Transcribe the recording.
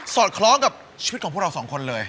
สอดเคล้ากับชีวิตของเราสองคนเลย